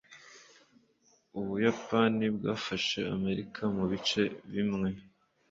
ubuyapani bwafashe amerika mubice bimwe